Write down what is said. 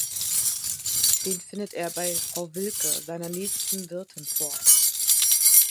Den findet er bei "Frau Wilke", seiner nächsten Wirtin, vor.